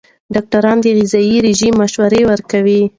ډاکټران د غذايي رژیم مشوره ورکوي.